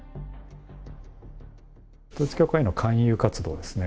統一教会の勧誘活動ですね。